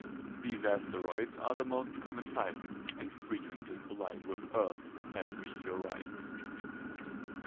These asteroids are the most common type, and frequently collide with Earth as meteorites.